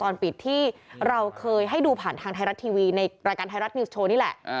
ในรายการไทยรัฐนิวส์โชว์นี่แหละ